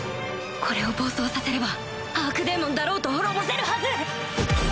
これを暴走させればアークデーモンだろうと滅ぼせるはず！